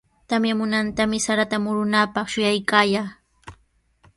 Tamyamunantami sarata murunaapaq shuyaykaa.